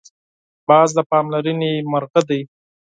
باز د پاملرنې مرغه دی